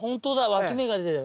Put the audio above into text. わき芽が出てる。